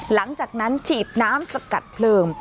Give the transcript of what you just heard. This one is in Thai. หลังจากนั้นฉีดน้ำสกัดเพลิง